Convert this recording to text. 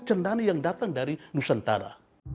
cendali yang datang dari nusantara